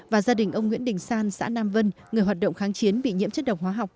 và gia đình ông nguyễn đình san xã nam vân người hoạt động kháng chiến bị nhiễm chất độc hóa học